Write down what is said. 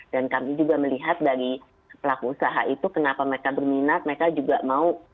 dan kami juga melihat dari pelaku usaha itu kenapa mereka berminat mereka juga mau